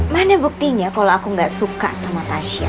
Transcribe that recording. mana buktinya kalau aku gak suka sama tasya